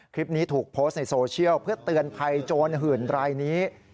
คลิปนี้ถูกโพสต์ในโซเชียลเพื่อเตือนภัยโจรหื่นรายนี้